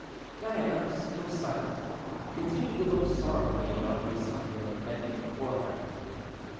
Diana, still silent, continued to look sorrowfully on the suppliant bending before her.